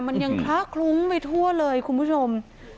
มันยังคละคลุ้งไปทั่วเลยคุณผู้ชม